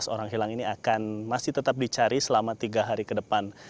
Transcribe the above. tiga belas orang hilang ini akan masih tetap dicari selama tiga hari ke depan